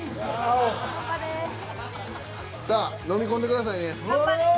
さあのみ込んでくださいね。